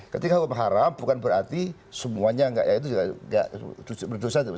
ketika hukum haram bukan berarti semuanya nggak ya itu juga nggak berdosa